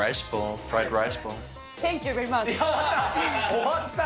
終わった。